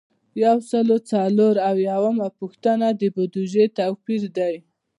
یو سل او څلور اویایمه پوښتنه د بودیجې توپیر دی.